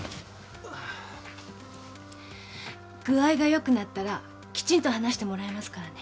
具合がよくなったらきちんと話してもらいますからね。